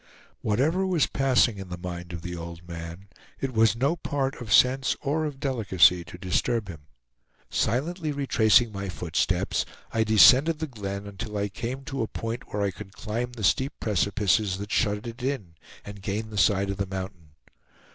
Whatever was passing in the mind of the old man, it was no part of sense or of delicacy to disturb him. Silently retracing my footsteps, I descended the glen until I came to a point where I could climb the steep precipices that shut it in, and gain the side of the mountain.